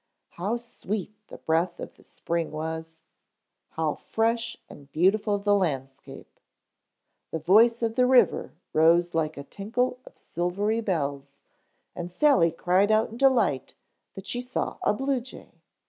How sweet the breath of the spring was, how fresh and beautiful the landscape! The voice of the river rose like a tinkle of silvery bells and Sally cried out in delight that she saw a blue jay.